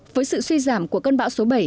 với sự suy giảm của cơn bão số bảy